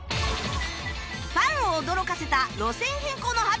ファンを驚かせた路線変更の発表